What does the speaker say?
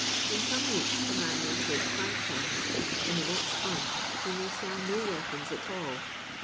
In some weeks a man may take 5/. ; in the next month he ■ay sell no weapons at all.